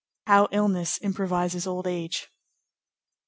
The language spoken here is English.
how illness improvises old age!